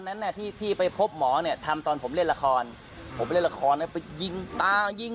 จิ๊บไม่มีมีแต่ผาเฮ้ยจะบ้าหรอกไหมพี่บี้